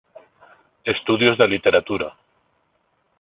Estudios de literatura".